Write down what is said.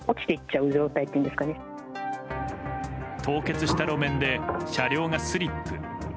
凍結した路面で車両がスリップ。